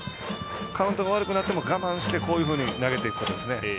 カウントが悪くなっても我慢してこういうふうに投げていくことですね。